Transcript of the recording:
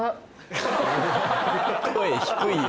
声低いよ。